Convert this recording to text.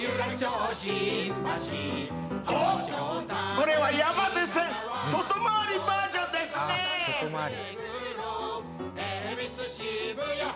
これは山手線外回りバージョンですね！